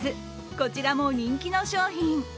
こちらも人気の商品。